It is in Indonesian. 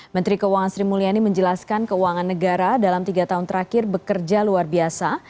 menteri keuangan sri mulyani menjelaskan keuangan negara dalam tiga tahun terakhir bekerja luar biasa